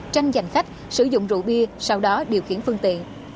tranh giành khách sử dụng rượu bia sau đó điều khiển phương tiện